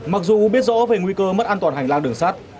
mặc dù biết rõ về nguy cơ mất an toàn hành lang đường sắt